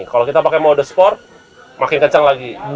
kalau kita pakai mode sport makin kencang lagi